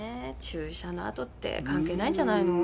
注射のあとって関係ないんじゃないの？